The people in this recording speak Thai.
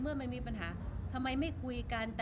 รูปนั้นผมก็เป็นคนถ่ายเองเคลียร์กับเรา